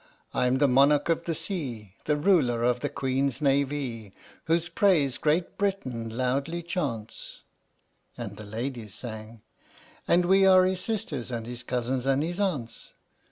I'm the monarch of the sea, The ruler of the Queen's Navee, Whose praise Great Britain loudly chaunts ! And the Ladies sang: And we are his sisters, and his cousins, and his aunts!